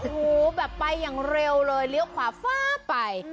หูแบบไปอย่างเร็วเลยเลี้ยวขวาฟ้าไป